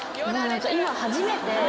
今初めて。